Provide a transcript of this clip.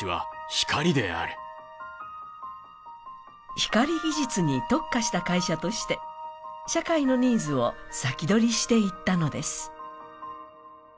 光技術に特化した会社として社会のニーズを先取りしていったのです。